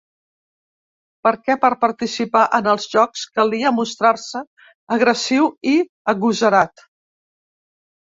Perquè per participar en els jocs calia mostrar-se agressiu i agosarat.